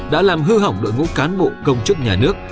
đã làm hư hỏng đội ngũ cán bộ công chức nhà nước